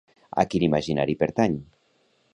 A quin imaginari pertany?